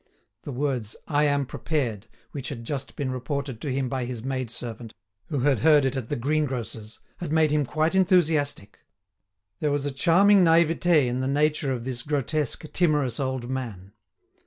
The words "I am prepared!" which had just been reported to him by his maid servant, who had heard it at the greengrocer's, had made him quite enthusiastic. There was charming naivete in the nature of this grotesque, timorous old man.